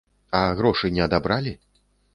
А грошы не адабралі?